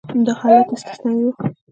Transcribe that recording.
دا حالت یې استثنایي و.